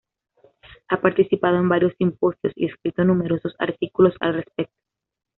Ha participado en varios simposios y escrito numerosos artículos al respecto.